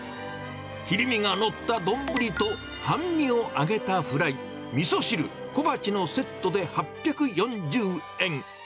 切り身が載った丼と半身を揚げたフライ、みそ汁、小鉢のセットで８４０円。